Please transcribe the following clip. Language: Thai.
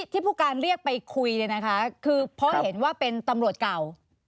ผู้การเรียกไปคุยเนี่ยนะคะคือเพราะเห็นว่าเป็นตำรวจเก่า